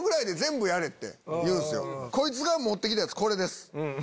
こいつが持って来たやつこれです。